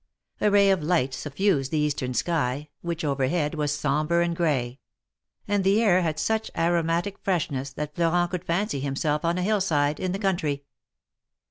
A ray of light suffused the eastern sky, which overhead was sombre and gray ; and the air had such aromatic freshness that Florent could fancy himself on a hillside in the country.